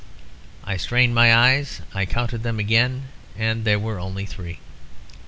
I strained my eyes; I counted them again, and there were only three.